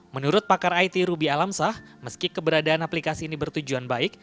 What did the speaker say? menurut pakar it ruby alamsah meski keberadaan aplikasi ini bertujuan baik